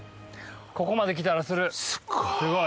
ここまで来たらするすごい。